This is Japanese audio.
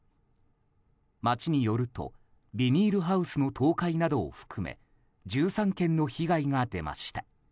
町によるとビニールハウスの倒壊などを含め１３件の被害が出ました。